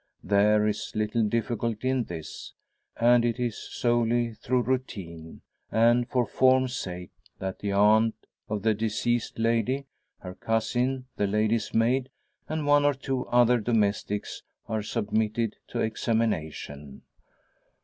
There is little difficulty in this; and it is solely through routine, and for form's sake, that the aunt of the deceased lady, her cousin, the lady's maid, and one or two other domestics are submitted to examination.